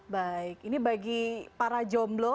baik ini bagi para jomblo